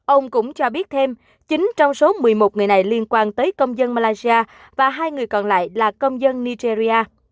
ông cũng cho biết thêm chín trong số một mươi một người này liên quan tới công dân malaysia và hai người còn lại là công dân nigeria